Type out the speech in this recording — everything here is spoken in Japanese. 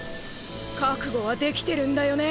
覚悟はできてるんだよね。